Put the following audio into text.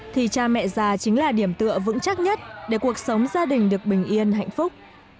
thì cha mẹ già chính là điểm tựa vững chắc nhất để cuộc sống gia đình được bình yên hạnh phúc